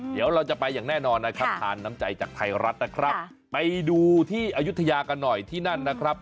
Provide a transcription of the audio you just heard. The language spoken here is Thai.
เดี๋ยวเราจะไปอย่างแน่นอนนะครับทานน้ำใจจากไทยรัฐนะครับไปดูที่อายุทยากันหน่อยที่นั่นนะครับ